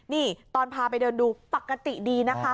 นี่ตอนพาไปเดินดูปกติดีนะคะ